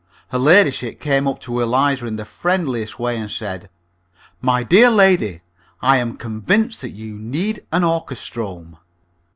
Her ladyship came up to Eliza in the friendliest way, and said, "My dear lady, I am convinced that you need an orchestrome.